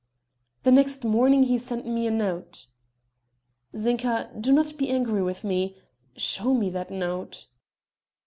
"The next morning he sent me a note." "Zinka, do not be angry with me ... show me that note."